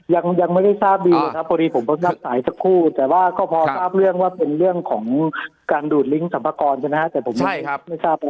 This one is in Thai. ยังไม่ได้ทราบเลยนะครับ